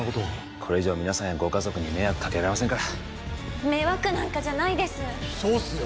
これ以上皆さんやご家族に迷惑かけられませんから迷惑なんかじゃないですそうっすよ